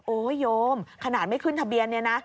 โยมขนาดไม่ขึ้นทะเบียนเนี่ยนะ